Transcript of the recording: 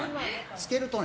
漬けるとね